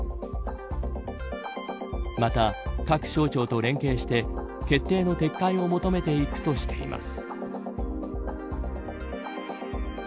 また、各省庁と連携して決定の撤回を求めていくとしています。